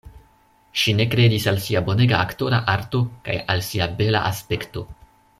Ŝi ne kredis al sia bonega aktora arto kaj al sia bela aspekto.